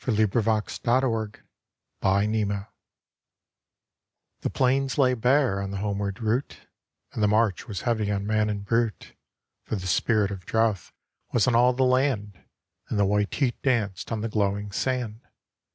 THE CATTLE DOG'S DEATH The plains lay bare on the homeward route, And the march was heavy on man and brute; For the Spirit of Drouth was on all the land, And the white heat danced on the glowing sand.